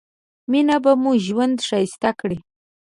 مينه به مو ژوند ښايسته کړي